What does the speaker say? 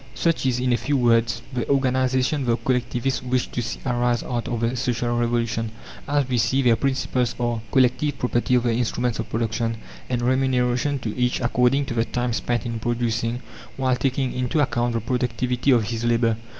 Such is, in a few words, the organization the collectivists wish to see arise out of the Social Revolution. As we see, their principles are: Collective property of the instruments of production, and remuneration to each according to the time spent in producing, while taking into account the productivity of his labour.